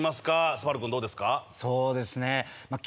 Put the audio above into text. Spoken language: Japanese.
昴くんどうですか？